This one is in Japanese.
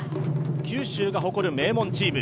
九州が誇る名門チーム。